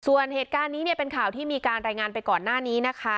ส่วนเหตุการณ์นี้เนี่ยเป็นข่าวที่มีการรายงานไปก่อนหน้านี้นะคะ